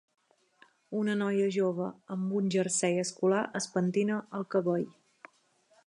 Una noia jove amb un jersei escolar es pentina el cabell.